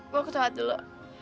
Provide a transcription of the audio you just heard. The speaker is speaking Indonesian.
gue ketuhar dulu